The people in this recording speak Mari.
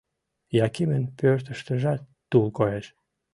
Якимын пӧртыштыжат тул коеш.